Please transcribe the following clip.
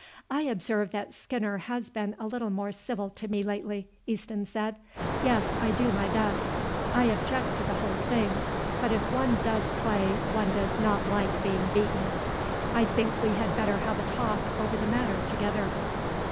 '" "I observe that Skinner has been a little more civil to me lately," Easton said. "Yes, I do my best. I object to the whole thing, but if one does play one does not like being beaten. I think we had better have a talk over the matter together."